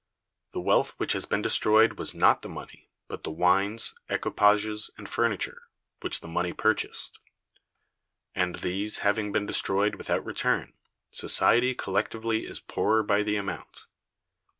The wealth which has been destroyed was not the money, but the wines, equipages, and furniture which the money purchased; and, these having been destroyed without return, society collectively is poorer by the amount.